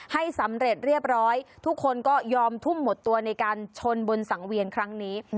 ให้สำเร็จเรียบร้อยทุกคนก็ยอมทุ่มหมดตัวในการชนบนสังเวียนครั้งนี้